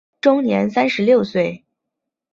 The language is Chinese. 终年三十六岁。